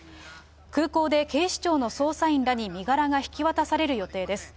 空港で警視庁の捜査員らに身柄が引き渡される予定です。